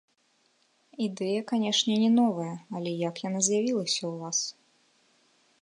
Ідэя, канешне, не новая, але як яна з'явілася ў вас?